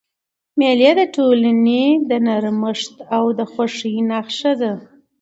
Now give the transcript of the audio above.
مېلې د ټولني د نرمښت او خوښۍ نخښه ده.